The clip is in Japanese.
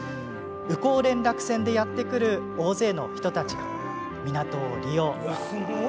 宇高連絡船でやって来る大勢の人たちが港を利用。